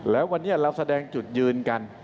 แล้ววันนี้เราแสดงจุดยืนกัน